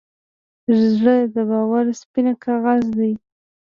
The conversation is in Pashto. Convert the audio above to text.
زړه د باور سپینه کاغذ دی.